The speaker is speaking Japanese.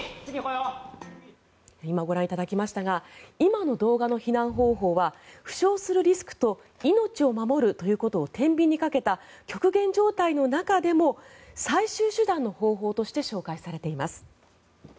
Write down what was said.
今、ご覧いただきましたが今の動画の避難方法は負傷するリスクと命を守るということをてんびんにかけた極限状態の中でも最終手段の方法として紹介されています。